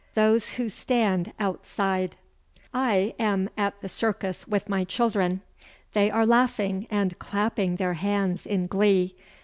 THOSE WHO STAND OUTSIDE I am at the Circus with my children. They are laughing and clapping their hands in glee.